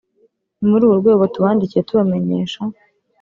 ni muri urwo rwego tubandikiye tubamenyesha